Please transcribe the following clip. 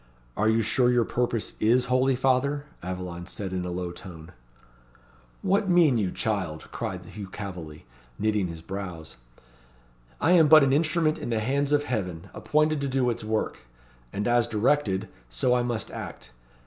"Are you sure your purpose is holy, father?" Aveline said in a low tone. "What mean you, child?" cried Hugh Calveley, knitting his brows. "I am but an instrument in the hands of Heaven, appointed to do its work; and as directed, so I must act.